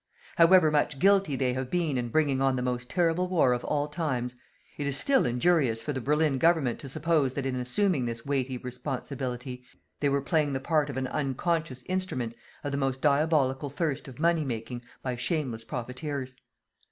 However much guilty they have been in bringing on the most terrible war of all times, it is still injurious for the Berlin Government to suppose that in assuming this weighty responsibility, they were playing the part of an unconscious instrument of the most diabolical thirst of money making by shameless "profiteers."